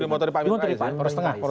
dimotori pak amin rais